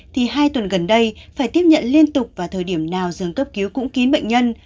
thì hai tuần gần đây phải tiếp nhận liên tục vào thời điểm nào dường cấp cứu cũng kín bệnh nhân